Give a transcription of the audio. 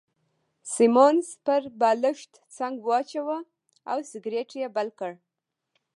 سیمونز پر بالښت څنګ واچاوه او سګرېټ يې بل کړ.